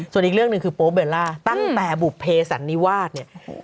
ส่วนอีกเรื่องหนึ่งคือโป๊เบลล่าตั้งแต่บุภเพสันนิวาสเนี่ย